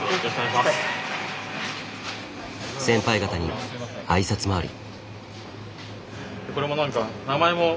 先輩方に挨拶回り。